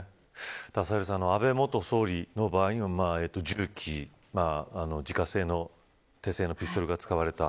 サヘルさん安倍元総理の場合は銃器自家製の手製のピストルが使われた。